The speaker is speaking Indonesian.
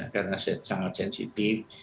karena sangat sensitif